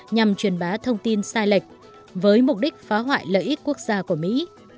nhằm truyền bá thông tin sai lệch với mục đích phá hoại lợi ích quốc gia của mỹ